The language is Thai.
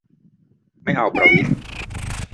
ไม่เอาประวิตร